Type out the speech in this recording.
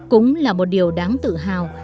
cũng là một điều đáng tự hào